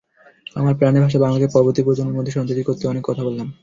আমার প্রাণের ভাষা বাংলাকে পরবর্তী প্রজন্মের মধ্যে সঞ্চারিত করতে অনেক কথা বললাম।